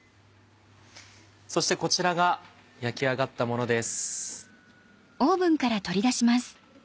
そしてこちらが焼き上がったものです。